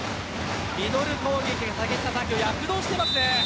ミドル攻撃で躍動しています。